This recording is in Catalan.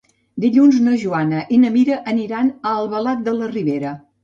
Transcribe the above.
Dilluns na Joana i na Mira aniran a Albalat de la Ribera.